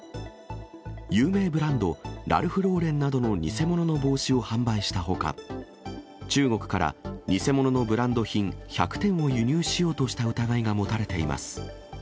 有名ブランド、ラルフローレンなどの偽物の帽子を販売したほか、中国から偽物のブランド品１００点を輸入しようとした疑いが持たれています。